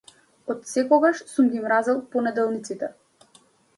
Од секогаш сум ги мразел понеделниците.